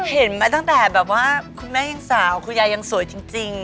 เห็นไหมตั้งแต่แบบว่าคุณแม่ยังสาวคุณยายยังสวยจริง